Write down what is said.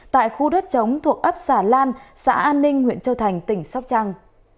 tại khu đất chống thuộc ấp xà lan xã an ninh huyện châu thành tỉnh sóc trăng